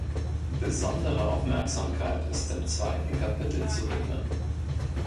Besondere Aufmerksamkeit ist dem zweiten Kapitel zu widmen.